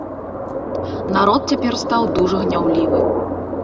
Народ цяпер стаў дужа гняўлівы.